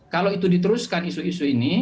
kalau itu diteruskan isu isu ini